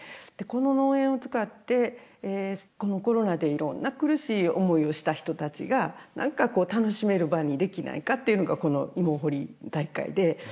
でこの農園を使ってこのコロナでいろんな苦しい思いをした人たちが何か楽しめる場にできないかっていうのがこの芋掘り大会で。